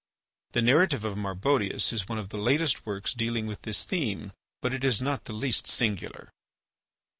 The narrative of Marbodius is one of the latest works dealing with this theme, but it is not the least singular.